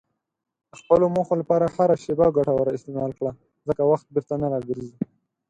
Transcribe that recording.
د خپلو موخو لپاره هره شېبه ګټوره استعمال کړه، ځکه وخت بیرته نه راګرځي.